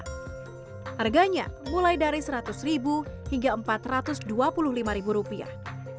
harganya mulai dari seratus ribu hingga empat ratus dua puluh lima ribu rupiah